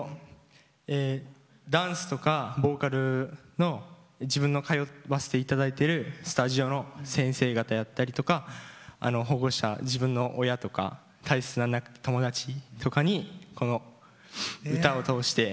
ダンスとかボーカルの自分の通わせていただいているスタジオの先生方やったりとか保護者、自分の親とか大切な友達とかにこの歌を通して。